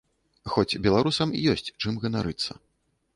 Хоць беларусам ёсць чым ганарыцца.